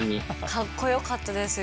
かっこよかったですよ。